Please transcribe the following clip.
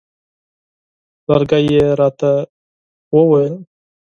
لرګی یې راته وویل.